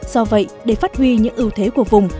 do vậy để phát huy những ưu thế của vùng